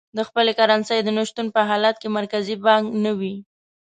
د خپلې کرنسۍ د نه شتون په حالت کې مرکزي بانک نه وي.